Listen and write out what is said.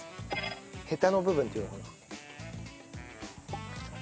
ヘタの部分っていうのかな。